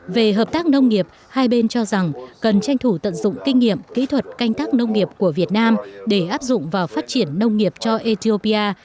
về hợp tác nông nghiệp hai bên cho rằng cần tranh thủ tận dụng kinh nghiệm kỹ thuật canh tác nông nghiệp của việt nam để áp dụng vào phát triển nông nghiệp cho ethiopia